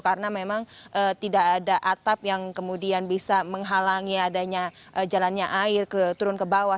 karena memang tidak ada atap yang kemudian bisa menghalangi adanya jalannya air turun ke bawah